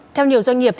theo nhiều doanh nghiệp